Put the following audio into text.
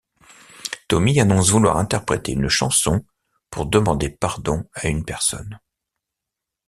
Tommy annonce vouloir interpréter une chanson pour demander pardon à une personne.